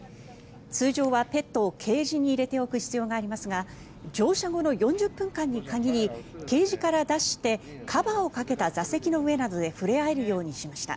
通常はペットをケージに入れておく必要がありますが乗車後の４０分間に限りケージから出してカバーをかけた座席の上などで触れ合えるようにしました。